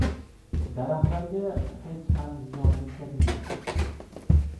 Daraxtlarga hech ham ziyon yetkazilmadi.